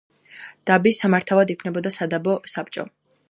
დაბის სამართავად იქმნებოდა სადაბო საბჭო.